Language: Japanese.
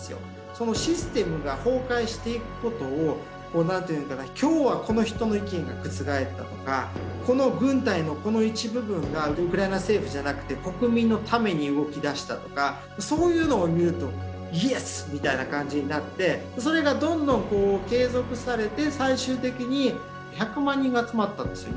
そのシステムが崩壊していくことを何ていうのかな今日はこの人の意見が覆ったとかこの軍隊のこの一部分がウクライナ政府じゃなくて国民のために動きだしたとかそういうのを見ると「イエス！」みたいな感じになってそれがどんどん継続されて最終的に１００万人が集まったんですよ